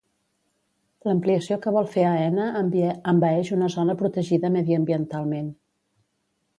L'ampliació que vol fer Aena envaeix una zona protegida mediambientalment.